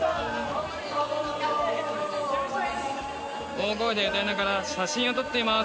大声で歌いながら写真を撮っています。